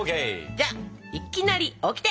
じゃあ「いきなり」オキテ！